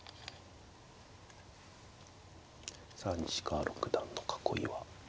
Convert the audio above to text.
さあ西川六段の囲いは。